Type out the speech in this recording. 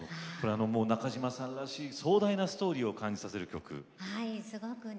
中島さんらしい壮大なストーリーを感じさせる曲ですね。